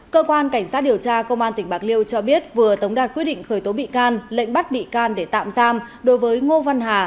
cơ quan cảnh sát điều tra công an tỉnh bạc liêu cho biết vừa tống đạt quyết định khởi tố bị can lệnh bắt bị can để tạm giam đối với ngô văn hà